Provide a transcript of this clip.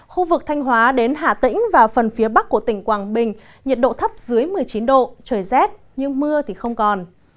khu vực thanh hóa đến hà tĩnh và phần phía bắc của tỉnh quảng bình nhiệt độ thấp dưới một mươi chín độ trời rét nhưng mưa thì không còn